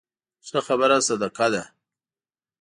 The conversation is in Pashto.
ښه خبره صدقه ده